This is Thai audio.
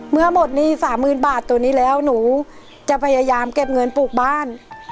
เมื่อหมดหนี้๓๐๐๐บาทตัวนี้แล้วหนูจะพยายามเก็บเงินปลูกบ้าน